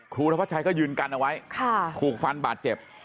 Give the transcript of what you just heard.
ธวัชชัยก็ยืนกันเอาไว้ถูกฟันบาดเจ็บ